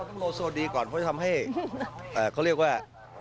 ต้องโลโซดีก่อนเพราะทำให้เขาเรียกว่า